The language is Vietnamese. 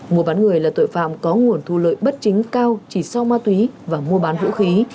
mùa bán người là tội phạm có nguồn thu lợi bất chính cao chỉ sau ma túy và mua bán vũ khí